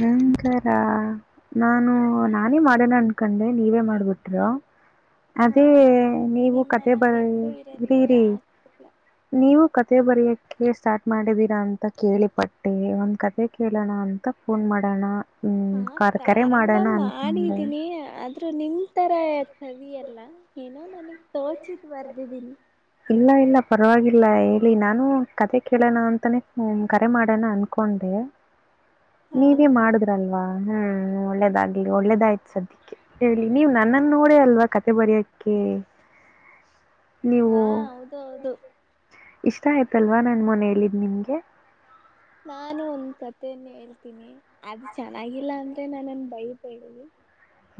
ಹಂಗರ ನಾನು ನಾನೇ ಮಾಡನ ಅನ್ಕೊಂಡೆ ನೀವೇ ಮಾಡ್ಬಿಟ್ರು. ಹಾ ಅದೇ ನೀವು ಕತೆ ನಿಮ್ಮನ್ನ ಬಿಟ್ಟು ಇರೋದಿಕ್ಕೆ ಬರ್ರಿರಿ ಆಗ್ತಿಲ್ಲ ನೀವು ಕತೆ ಬರೆಯಕ್ ಕೇ ಸ್ಟಾರ್ಟ್ ಮಾಡಿದೀರಾ ಅಂತ ಕೇಳಿಪಟ್ಟೆ ಒಂದ್ ಕತೆೆ ಕೇಳೋಣ ಅಂತ. ಅ ಫೋನ್ ಮಾಡೋಣ ಹ್ಮ್, ಹಾ ಕರ್- ಕರೆ ಪ್ರಾರಂಭ ಮಾಡೋಣ ಅನ್ಕೊಂಡೆ. ಮಾಡಿದ್ದೀನಿ ಆದ್ ನಿಮ ತರ ಕವಿಯಲ್ಲ ಏನ ನಾನ ತಚ ಇತ್ ಬರ್ದಿದ್ದನ. ಇಲ್ಲ ಇಲ್ಲ ಪರವಾಗಿಲ್ಲ ಹೇಳಿ ನಾನು ಕತೆ ಕೇಳೋಣ ಅಂತಾನೇ ಕರೆ ಮಾಡೋಣ ಅನ್ಕೊಂಡೆ ಹಾ ನೀವೇ ಮಾಡುದ್ರಲ್ವಾ. ಹ್ಮ್ ಒಳ್ಳೇದಾಗ್ಲಿ ಒಳ್ಳೇದಾಯ್ತು ಸದ್ಯಕ್ಕೆ ಹೇಳಿ ನೀವ್ ನನ್ನನ್ನ ನೋಡೇ ಅಲ್ವಾ ಕತೆ ಬರಯೋಕ್ಕೆ ನೀವು. ಹ ಹೌದು ಹೌದು. ಇಷ್ಟ ಆಯ್ತಲ್ವಾ ನನ್ ಮನಲ್ಲಿದ್ ನಿಮ್ಗೆ. ನಾನು ಒಂದ್ ಕತೆಯನ್ನ ಹೇಳ್ತೀನಿ ಅದು ಚೆನ್ನಾಗಿಲ್ಲ ಅಂದ್ರೆ ನಾನನ್ ಬಯ ಬಿ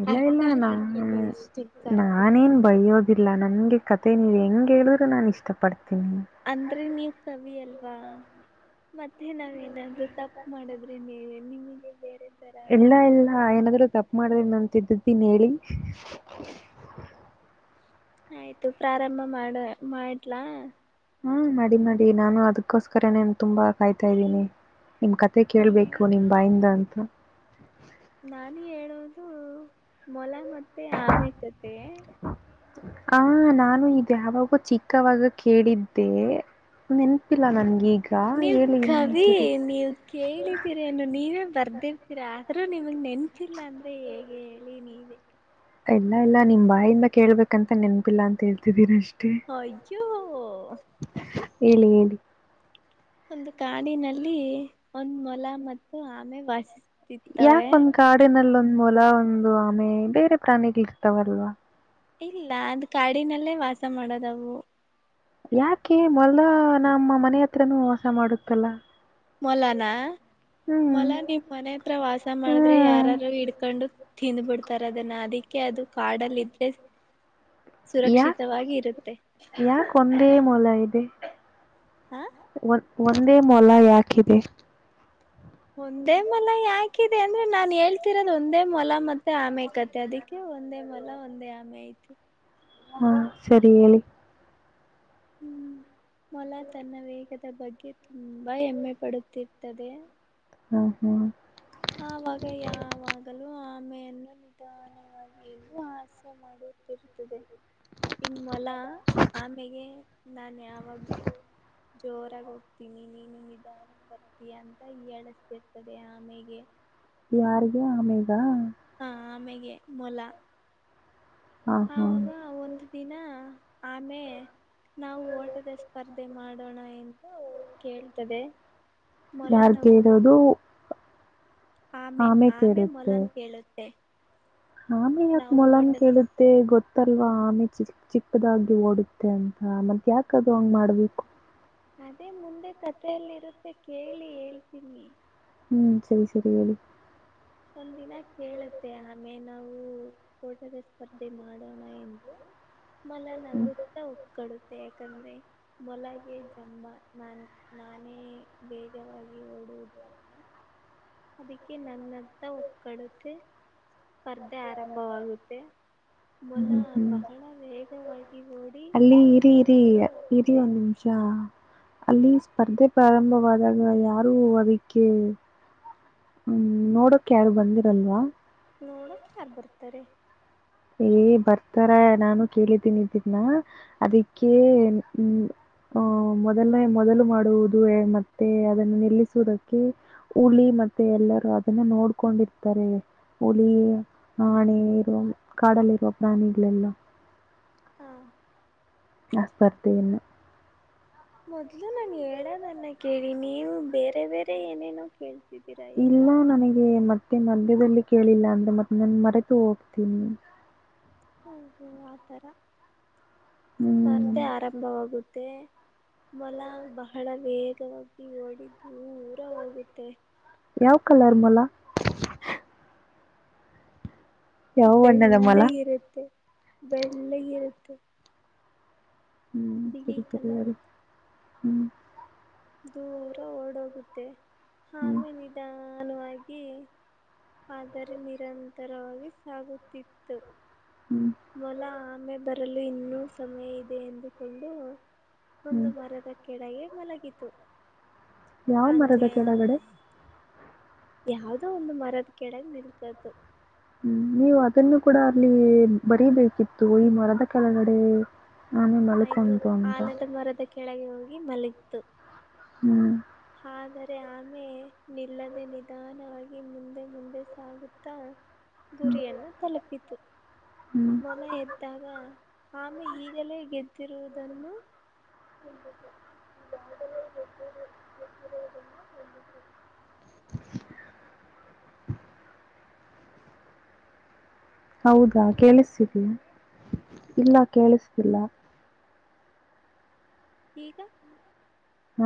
ಇಲ್ಲ ಇಲ್ಲ ನಾ ಎಷ್ಟೇ ಸಾಕು ನಾನೇನ್ ಬಯೋದ. ಇಲ್ಲ ನನ್ಗೆ ಕತೆ ನೀವು ಹೆಂಗ್ ಹೇಳಿದ್ರರು ನಾನ್ ಇಷ್ಟ ಪಡ್ ಅಂದ್ರಿ ನೀವ್ ಸವಿಯಲ್ ಮತ್ತೆ ನಾವೇನಾದ್ ತಪ್ಪ ಮಾಡಿದ್ರೆ ನೀವೆ ನಿಮಗೆ ಬೇರೆ. ತರ ಇಲ್ಲ ಅನ್ಸುತ್ತೆ ಇಲ್ಲ ಏನಾದ್--ತಪ್ಪು ಮಾಡ್ದನಂತ ದ್ದೀನ್ ಹೇಳಿ ಆಯ್ತು ಪ್ರಾರಂಭ ಮಾಡ ಮಾಡ್ಲಾ. ಹ್ಮ್ ಮಾಡಿ ಮಾಡಿ ನಾನು ಅದಕ್ಕೋಸ್ಕರನೇ ತುಂಬಾ ಕಾಯ್ತಾ ಇದ್ದೀನಿ. ನಿಮ್ ಕತೆ ಹ್ಮ್ ಕೇಳ್ಬೇಕು ನಿಮ್ ಬಾಯಿಂದ ಅಂತ. [unintelligible] ನಾನು ಹೇಳೋದು ಮೊಲ ಮ ಆಮೇಕತ್ತ. ಹ ನಾನು ಇ ಯಾವಾಗೂ ಚಿಕ್ಕವಾಗ ಕೇಳಿದ್ದೆ ನೆನ್ಪಿಲ್ಲ ನನ್ಗೆ ಈಗ ನೀವ ಕವಿ ನೀವ ಕೇಳಿದೀರನು ನೀವೇ ಬರ್ದಿರ್ತೀರಾ. ಸರ ನಿಮಗೆ ನೆನ್ ಲ್ಲ ಅಂದ್ರೆ ಹೇಗೆ ಹೇಳಿ ನೀವು [unintelligible] ಇಲ್ಲ ಇಲ್ಲ ನಿಮ್ ಬಾಯಿಂದ ಕೇಳ್ಬೇಕಂತ ನೆನ್ಪಿಲ್ಲ ಅಂತ ಹೇಳ್ತಿದೀರಿ ಅಷ್ಟೇ. ಹಯಜೋ ಹೇಳಿ ಹೇಳಿ. ಒಂದು ಕಾಡಿನಲ್ಲಿ ಒಂದ್ ಮೊಲ ಮತ್ತು ಆಮೆ ವಾಸಿಸ ಯಾಕ ಒಂದ್ ಕಾಡಿನಲ್ಲ ಒ ಮೂಲ ಒಂದು ಆಮೆ ಬೇರೆ ಪ್ರಾಣಿಗಳಿರ್ತಾವಲ್ವಾ ಇಲ್ಲ ಅದು ಕಾಡಿನಲ್ಲೇ ವಾಸ ಮಾಡೋದವು ಯಾಕೆ ಮೊದ ನಮ್ಮ ಮನೆ ಹತ್ರನುೂ ವಾಸ ಮಾಡುತ್ತಲ್ಲ ಮೊಲಾನ ಹ್ಮ್ ಮೊಲ ನೀವ್ ಮನೆ ಹತ್ರ ವಾಸ ಮಾಡಿದ್ರೆ ಹ್ಮ್ ಯಾರಾರು ಹಿಡ್ಕೊಂಡು ತಿಂದ್ ಬಿಡ್ತಾರ ಅದನ್ನ ಅದಕ್ಕೆ ಅದು ಕಾಡಲ್ಲಿ ಇದ್ರೆ ಯಾಕ್ ಸುರಕ್ಷಿತವಾಗಿ ಇರುತ್ತೆ ಲ್ಲ ಇದೆ ಹಾ ಒ ಒಂದೇ ಮೊಲ ಯಾಕಿದೆ ಒಂದೇ ಮೊಲ ಯಾಕಿದೆ ಅಂದ್ರೆ ನಾನ್ ಹೇಳ್ತಿರೋದು ಒಂದೇ ಮೊಲ ಮತ್ತೆ ಆಮೆ ಕತೆ ಅದಕ್ಕೆ ಒಂದೇ ಮೊಲ ಒಂದೇ ಆಮೆ ಐತಿ ಹಾ ಸರಿ ಹೇಳಿ ಹ್ಮ ಮೊಲ ತನ್ನ ವೇಗದ ಬಗ್ಗೆ ತುಂಬಾ ಹೆಮ್ಮೆ ಪಡುತ್ತಿತ್ತದೆ ಹ್ಮ್ ಹ್ಮ್ ಆವಾಗ ಯಾವಾಗಲೂ ಒಮ್ಮೆಯನ್ನು ನಿಧಾನವಾಗಿ ಹಾಸೆ ಮಾಡುತ್ತಿರುತ್ತದೆ ಹಂಗ ಮೊಲ ಆಮೆಗೆ ನಾನು ಯಾವಾಗಲೂ ಜೋರಾಗಿ ಹೋಗ್ತೀನಿ ನೀನು ನಿಧಾನ ಬರ್ತಯ ಅಂತ ಹೇಳಸ್ತಿರ್ತದೆ ಆಮೇೆಗೆ ಯಾರ್ಿಗೆ ಆಮೇಗ ಹಾ ಆಮೆಗೆ ಮೊಲ ಹಾ ಹಾ ಆವಾಗ ಒಂದು ದಿನ ಆಮೇ ನಾವು ಓಟದ ಸ್ಪರ್ಧೆ ಮಾಡೋಣ ಎಂದು ಕೇಳ್ತದೆ ಯಾರ್ು ಮೊಲನೊಬ್ಬ ಕೇಳೋದು ಆಮೆ ಆಮೆ ಮೊಲನ್ ಕೇಳುತ್ತೆ ನಾನ್ ಯಗಾಕ ನಾವು ಮೊಲನ್ ಓಟದ ಕೇಳುತ್ತೆ ಗೊತ್ತ ಮತ್ತಲ್ವಾ ಆಮೆ ಚಿಕ್ ಚಿಕ್ಕದಾಗಿ ಓಡುತ್ತೆ ಅಂತ ಮತ್ತೆ ಯಾಕದು ಹಂಗ ಮಾಡ್ಬೇಕು ಅದೇ ಮುಂದೆ ಕಥೆಯಲ್ಲಿ ಇರುತ್ತೆ ಕೇಳಿ ಹೇಳ್ತೀನಿ ಹ್ಮ್ ಸರಿ ಸರಿ ಹೇಳಳಿ ಒಂದಿನ ಕೇಳುತ್ತೆ ಆಮೇ ನಾವು ೋಟದ ಸ್ಪರ್ಧೆ ಮಾಡೋಣ ಎಂದು ಮೊಲ ನ ಹ್ಮ್ ಗೊುತ್ತಾ ಒಪ್ಕಡುತ್ತೆ ಯಾಕಂದ್ರೆ ಮೊಲಗೆ ಜಂಬಾ ನಾನ ನಾನೇ ವೇಗವಾಗಿ ಓಡುವುದು ಅಂತ ಅದಕ್ಕೆ ನನ್ನ ಒಡುತ್ತೆ ಸ್ಪರ್ಧೆ ಆರಂಭವಾಗುತ್ತೆ ಮೊಲ ಹ್ಮ್ ಹ್ಮ್ ಬಹಳ ವೇಗವಾಗಿ ಓಡಿ ಅಲ್ಲಿ ದೂರ ಇರಿ ಇರಿ ದೂರ ಇರಿ ಹೋಗುತ್ತೆ ಒಂದ್ ನಿಮಿಷ ಅಲ್ಲಿ ಸ್ಪರ್ಧೆ ಪ್ರಾರಂಭವಾದಾಗ ಯಾರು ಅದಕ್ಕೆ ಹ್ಮ್ ನೋಡಕ ಯಾರು ಬಂದಿರಲ್ವಾ ನೋಡ ಯಾರ್ ಬರ್ತಾರೆ ಏ ಬರ್ತಾರ ನಾನು ಕೇಳಿದ್ದೀನಿದ್ದೀನ್ನ ಅದಕ್ಕೆ ಹ್ಮ ಅಹ ಮೊದಲನೇ ಮೊದಲು ಮಾಡುವುದು ಮತ್ತೆ ಅದನ್ನ ನಿಲ್ಲಿಸುವುದಕ್ಕೆ ಹುಲಿ ಮತ್ತೆ ಎಲ್ಲರೂ ಅದನ್ನ ನೋಡ್ಕೊಂಡಿರ್ತಾರೆ ಹುಲಿ ಆಣೆರು ಕಾಡಲ್ಲಿರುವ ಪ್ರಾಣಿಗಳೆಲ್ಲ ಹಾ ಆಸ್ಪರ್ತೇ ಇಲ್ಲ ಮೊದ್ಲು ನಾನು ಹೇಳದನ್ನ ಕೇಳಿ ನೀವು ಬೇರೆ ಬೇರೆ ಏನೇನೋ ಕೇಳ ಇಲ್ಲ ನನಗೆ ಮತ್ತೆ ಮತ್ತೆ ಮಂದ್ಯದಲ್ಲಿ ಕೇಳಿಲ್ಲ ಅಂದ್ರೆ ಮತ್ತೆ ನಾನನ್ ಮರೆತು ಹೋಗ್ತೀನಿ ಓ ಹೋ ಆತರ. ಹ್ಮ್ ಸ್ಪರ್ಧೆ ಆರಂಭವಾಗುತ್ತ. ಮಲ ಬಹಳ ವೇಗವಾಗಿ ಡಿದ ದೂರ ಹೋಗುತ್ತೆ. ಯಾವ ಕಲರ್ ಮಲ. ಬಣ್ಣದ ಮೊಲ ಬೆಳ್ಳೆ ಇರುತ್ತೆ. ಬೆಳ್ಳ ಇರುತ್ತು. ಹ್ಮ್ ಸರಿ ಸರಿ ಯಾರ. ಹ್ಮ್. ದೂರ ಓಡೋಗುತ್ತೆ. ಹಾ ಹ್ಮ್ ಮನಿದಾ. ಅನುವಾಗಿ ಆದರೆ ನಿರಂತರವಾಗಿ ಸಾಗುತ್ತಿತ್ತು. ಹ್ಮ್ ಮಲ ಆಮೇ ಬ. ಅದರಲ್ಲೂ ಇನ್ನೂ ಸಮಯ ಇದೆ ಎಂದುಕೊಂಡು. ಹ್ಮ್ ಒಂದು ಮರದ ಕೆಡೆಗೆ ಮಲ. ಯಾವ ಮರದ ಕೆಳಗಡೆ. ಯಾವದೋ ಒಂದು ಮರದ ಕೆಡಗ ನಿಲ್ಕದುು. ಹ್ಮ್ ನೀವು ಅದನ್ನು ಕೂಡ ಅಲ್ಲಿ ಬರಿೀಬೇಕಿತ್ತು ಈ ಮರದ ಕೆಳಗಡೆ. ಆನೆ ಆಯ್ತು ಮಲ್ಕೊಂತು ಅಂತ ಆಲದ ಮರದ ಕೆಳಗೆ ಹೋಗಿ. ಮಲತ್ತುು. ಹ್ಮ್. ಆದರೆ ಆಮೆ ನಿಲ್ಲದೆ ನಿಧಾನವಾಗಿ ಮುಂದೆ ಮುಂದೆ ಸಾಗುತ್ತಾ. ಗುರಿಯನ್ನು ತಲುಪಿತು ಹ್ಮ್ ಮೊಲ ಎದ್ದಾಗ. ನಮ್ಮ ಈಗಲೇ ಗೆದ್ದಿರುವುದನ್ನು. ಹೌದಾ ಕೇಳಿಸ್ತೀವಿ ಇಲ್ಲ ಕೇಳಿಸ್ದಿಲ್ಲ. ೀಕ ಆ.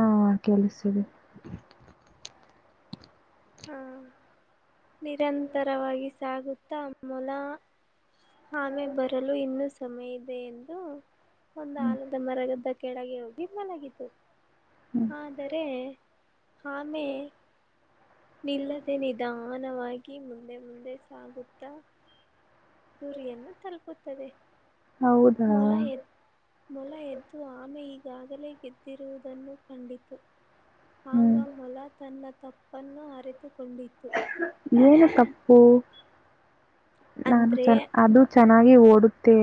ಹಾ ಕೇಳಿಸಿದೆ. ಹ್ಮ. ನಿರಂತರವಾಗಿ ಸಾಗುತ್ತಾ ಮೊಲ ಆಮೆ ಬರಲು ಇನ್ನೂ ಸಮಯ ಇದೆ ಎಂದು ಒಂದು ಆಲದ ಮರಗದ ಕೆಳಗೆ ಹೋಗಿ ಮಲಗಿತು ಆದರೆ ಆಮೆ ನಿಲ್ಲದೆ ನಿಧ. ಸಮಾನವಾಗಿ ಮುಂದೆ ಮುಂದೆ ಸಾಗುತ್ತಾ. ಗುರಿಯನ್ನು ತಲುಪುತ್ತದೆ. ಹೌದಾ. ಮೊಲ ಎದ್ ಮೊಲ ಎದ್ದು ಆಮೆ ಈಗಾಗಲೇ ಗೆದ್ದಿರುವುದನ್ನು ಕಂಡಿತು ಆಗ ಹ್ಮ್ ಮೊಲ ತನ್ನ ತಪ್ಪನ್ನು ಅರೆತುಕೊಂಡಿತ್ತು. ಏನು ತಪ್ಪು. ನಾನು ಅಂದ್ರೆ ಚ ಅದು ಚೆನ್ನಾಗಿ ಓಡ.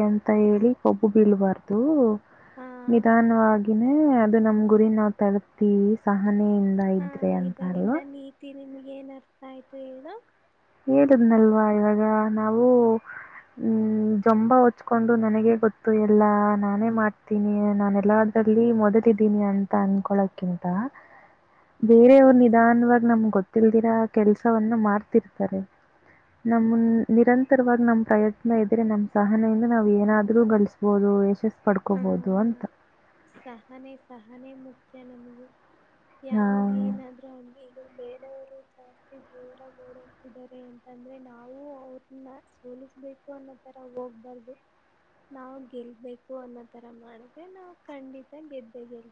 ಅಂತ ಹೇಳಿ ಕೊಬ್ಬು ಬೀಳ್ಬಾರ್ದು. ಹ ನಿಧಾನವಾಗಿ. ಅದೇನೆ, ಅದು, ನಮ್ ಗುರಿ ನಾವ್ ತರುತ್ತೀವಿ ಸಹ. [inaudible] ಮನೆಯಿಂದ, ಹಾ ಇದ್ರೆ ಅಂತ ಇದರಿಂದ ಅಲ್ವಾ! [inaudible] ನೀತಿ ನಿಮ್ಗೆ ಏನ್ ಅರ್ಥ ಆಯ್ತು ಹೇಳು? ಹೇಳುದ್ನಲ್ವಾ ಇವಾಗ ನಾವು, ಹ್ಮ ಜಂಬಾ ಹಚ್ಕೊಂಡು. ನನಗ ಗೊತ್ತು ಎಲ್ಲಾ ನಾನೇ ಮಾಡ್ತೀನಿ, ನಾನು ಎಲ್ಲದ್ರಲ್ಲಿ ಮೊದಲಿದೀನಿ. ಅಂತ ಅನ್ಕೊಳಕ್ಕಿಂತ ಬೇರೆಯವ್ರ ನಿಧಾನವಾಗಿ ನಮ್ ಗೊತ್ತಿಲ್ದಿರ ಕೆಲ್ಸವನ್ನ. ಮಾಡ್ ಅನ್ನುತ್ತಾರೆ, ನಮ್ದು ನಿರಂತರವಾಗಿ ನಮ್ ಪ್ರಯತ್ನ ಇದ್ರೆ ನಮ್ಮ್ ಸಹನೆಯಿಂದ ನಾವ್ ಏನಾದ್ರೂ ಗಳಿಸಬೋದು ಯಶಸ್ಸ ಹ ಪಡ್ಕೊಬೋದು ಅಂತ. ಸಹನೆ, ಸಹನೆ ಮುಖ್ಯ ನಮಗೆ. ಆ, ಯಾವ್ದು, ಏನಾದರೂ ಇದು ಬೇರು? ಒಟ್ಟುರಿ, ಜಾಸ್ತಿ ಜೋರು, ಓಡಿಯೋಗುತ ಇದಾರೆ ಅಂತಂದ್ರೆ. ನಾವು ಅವ್ರನ್ನ ಸೋಲಿಸ್ಬೇಕು ಅನ್ನೋ ತರ ಹೋಗ್ಬಾರ್ದು ನಾವ್ ಗೆಲ್ಬೇಕು ಅನ್ನೋ ತರ ಮಾಡಿದ್ರೆ, ನಾವು ಖಂಡಿತ, ಗೆದ್ದೆಗೆ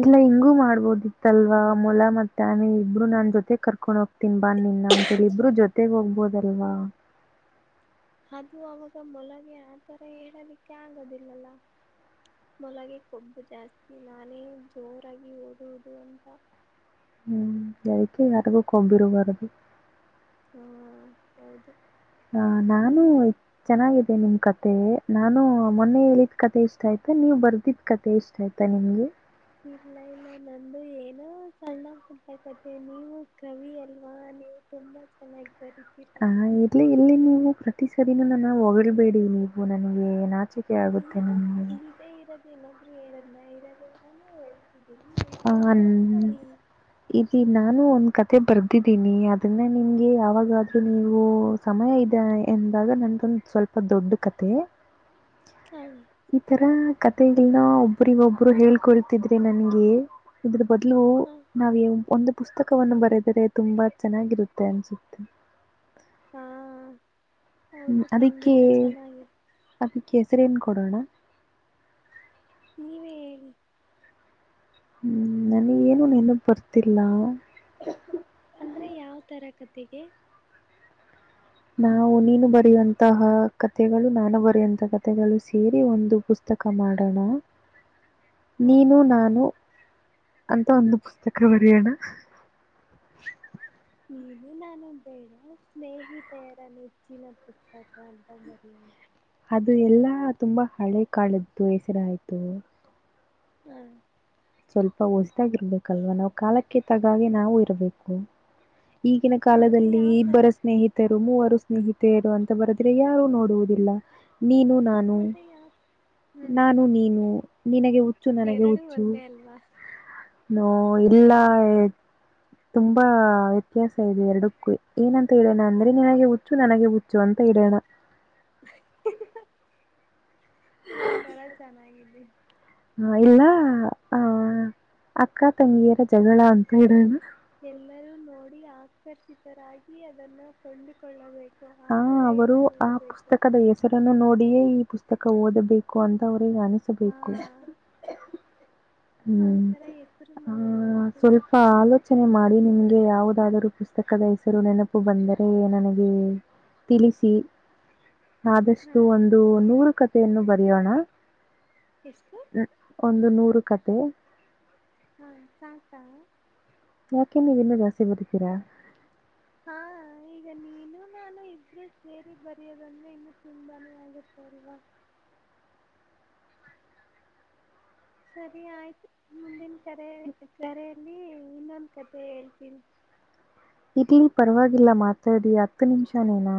ಇಲ್ಲ, ಹಿಂಗೂ ಮಾಡಬಹುದು. ಅಲ್ವಾ ಮೊಲ ಮತ್ತೆ ಆಮೇಲೆ ಇಬ್ರು ನಾನ್ ಜೊತೆ ಕರ್ಕೊಂಡ್ ಹೋಗ್ತೀನಿ, ಬನ್ನಿ ಇಬ್ಬರು ಜೊತೆಗ್ ಹೋಗ್ಬೋದಲ್ವಾ, ಅದು ಅವಾಗ ಮೊಲಗೆ, ಆತರ ಹೇಳಲಿಕ್ಕೆ ಆಗದಿಲ್ಲಲ್ಲ ನಾಮೊಲಗೆ ಕೊಬ್ಬು ಜಾಸ್ತಿ ನಾನೇ ಜೋರಾಗಿ ಓಡುವುದು ಅಂತ. ಹ್ಮ್, ಅದಕ್ಕೆ ಯಾರಗೂ ಕೊಂಬಿರುಬಾರದು. ಹಾ, ಹೌದು. ಹ, ಈ ನಾನು ಚನ್ನಾಗಿ ನಿಮ್ ಕಥೆ ನಾನು ಮೊನ್ನೆ ಹೇಳಿದ್ ಕಥೆ ಇಷ್ಟ ಆಯ್ತಾ ನೀವ್ ಬರ್ದಿದ್ ಕಥೆ ಇಷ್ಟ ಆಯ್ತಾ ನಿಮ್ಗೆ. ಇಲ್ಲ, ಇಲ್ಲ ನಂದು ಏನೋ ಸಣ್ಣ, ಪುಟ್ಟ ಕಥೆ, ನೀವು ಕವಿ ಅಲ್ವಾ ನೀವು ತುಂಬಾ ಚೆನ್ನಾಗಿ, ಬರಿತೀರಾ ಹಾ, ಇಲ್ಲಿ, ಇಲ್ಲಿ, ನೀವು? ಈ, ಸರಿ, ನನ್ನ ಹೊಳ್ಬೇಡಿ, ನೀವು ನನಗೆ ನಾಚಿಕೆ ಆಗುತ್ತೆ ಅಯ್ಯೋ ನನಗೆ. ಇಲ್ದೆ ಇರೋದು, ಏನು? ಹೇಳದನಾ ಇರೋದುತಾನೆ, ಹೇಳು ಹ, ಇದಿ ನಾನು ಒಂದ್ ಕಥೆ ಬರ್ದಿದ್ದೀನಿ ಅ ಅನ್ನ ನಿಮ್ಗೆ ಯಾವಾಗಾದ್ರೂ ನೀವು ಸಮಯ ಇದೆ ಎಂದಾಗ, ನನ್ಗೊಂದು ಸ್ವಲ್ಪ ದೊಡ್ಡ ಕಥೆ. ಹಾ ಈ, ತರ ಕಥೆಗಳನ ಒಬ್ಬರಿಗೊಬ್ರು ಹೇಳ್ಕೊಳ್ತಿದ್ರೆ ನನ್ಗೆ? ಇದು ಬದಲು, ಹಾ ನಾವೇ ಒಂದು. ಪುಸ್ತಕವನ್ನು ಬರೆದರೆ ತುಂಬಾ ಚೆನ್ನಾಗಿರುತ್ತೆ ಅನ್ಸುತ್ತೆ. ಹಾ ಹ್ಮ್, ಹೌದು ಅದಕ್ಕೆ ಖಂಡಿತ ಚೆನ್ನಾಗಿದೆ ಅದಿಕ್ಕೆ ಹೆಸರೇನ್ ಗೊತ್ತು. ಕೊಡೋಣ. ನೀವೇ ಹೇಳಿ? ಹ್ಮ್, ನನಗೆ ಏನು ನೆನಪು ಬರ್ತಿಲ್ಲ. ಅಂದ್ರೆ, ಯಾವ ತರ ಕಥೆಗೆ ನಾವು ನೀನು ಬರೆಯುವಂತಹ ಕಥೆಗಳು ನಾನು ಬರೆಯುವಂತ, ಕಥೆಗಳು ಸೇರಿ ಒಂದು ಪುಸ್ತಕ ಮಾಡೋಣ? ಹಾ ನೀನು ನಾನು. ಅಂತ ಒಂದು ಪುಸ್ತಕ ಬರಿಯಣ. ಹು ನಾನು ಬೇಡ ಸ್ನೇಹಿತೆಯರ ನೆಚ್ಚಿನ ಪುಸ್ತಕ ಅಂತ ಬರಿಯಣ. ಅದು ಎಲ್ಲಾ ತುಂಬಾ ಹಳೆ ಕಾಳದ್ದು ಹೆಸ್ರಾಯ್ತು. ಹಾ ಸ್ವಲ್ಪ ಹೊಸ್ದಾಗಿರ್ಬೇಕಲ್ವಾ ನಾವ್ ಕಾಲಕ್ಕೆ ತಗಾಗೆ ನಾವು ಇರ್ಬೇಕು ಈಗಿನ ಮತ್ತೆ ಕಾಲದಲ್ಲಿ ಯಾವ ತರ ಇಬ್ಬರ ಸ್ನೇಹಿತರು ಮೂವರು ಸ್ ಸ್ನೇಹಿತೆಯರು ಅಂತ ಬರುದ್ರೆ ಯಾರು ನೋಡುವುದಿಲ್ಲ ನೀನು ನಾನು ಮತ್ತೆ ಯಾವ ಹ್ಮ್ ನಾನು ನೀನು ನಿನಗೆ ಉ ಎರಡು ಒಂದೇ ಅಲ್ವಾ ನೋ ಇಲ್ಲ ತುಂಬಾ ವ್ಯತ್ಯಾಸ ಇದೆ ಎರಡಕ್ಕುವೆ ಏನಂತ್ ಹೇಳೋಣ ಅಂದ್ರೆ ಅದೇ ನಿನಗೆ ಉಚ್ಚು ನನಗೆ ಹುಚ್ಚು ಚ್ಚು ಅಂತ ಇಡಣ ಹಿ ಹ್ಹಿ ಹ ಇದೊಂತರ ಚೆನ್ನಾಗಿದೆ ಇಲ್ಲ ಆ ಆ ಅಕ್ಕ ತಂಗಿಯರ ಜಗಳ ಅಂತ ಇಡಣ ಎಲ್ಲರೂ ನೋಡಿ ಆಕರ್ಷಿತರಾಗಿ ಅದನ್ನು ಕೊಂಡುಕೊಳ್ಳಬೇಕ್ ಹಾ ಅವರು ಆ ಪುಸ್ತಕದ ಹೆಸರನ್ನು ನೋಡಿಯೇ ಈ ಪುಸ್ ತಕ ಓದಬೇಕು ಅಂತ ಹಾ ಅನಿಸಬೇಕು ಆ ಹ್ಮ್ ಥರ ಹೆಸರು ನಾವು ಇಡಬೇಕು ಸ್ವಲ್ಪ ಆಲೋಚನೆ ಮಾಡಿ ನಿಮ್ಗೆ ಯಾವುದಾದರು ಪುಸ್ ಸ್ತಕದ ಹೆಸರು ನೆನಪು ಬಂದರೆ ನನಗೆ ತಿಳಿಸಿ ಹಾ ಆದಷ್ಟು ಒಂದು ನೂರು ಕ ಯನ್ನು ಬರಿಯೋಣ ಎಷ್ಟು ಒಂದು ನೂರು ಕಥೆ ಹಾ ಸಾಕಾ ಕೆ ನೀವಿನ್ನು ಜಾಸ್ತಿ ಬರೀತಿರ ಹಾ ಈಗ ನೀನು ನಾನು ಇಬ್ರು ಸೇರಿ ಬರೆಯೋದಂದ್ರೆ ಇನ್ನು ತುಂಬಾನೇ ಆಗುತ್ತೆ ಅಲ್ವಾ ಸರಿ ಆಯ್ತು ಮುಂದಿನ ಕರೆ ಕರೆಯಲ್ಲಿ ಇನ್ನೊಂದ್ ಕಥೆ ಹೇಳ್ತೀನಿ ಇರ್ಲಿ ಪರ್ವಾಗಿಲ್ಲ ಮಾತಾಡಿ ಹತ್ತು ನಿಂಷನೇನಾ